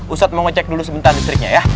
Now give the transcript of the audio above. ustadz mau ngecek dulu sebentar listriknya ya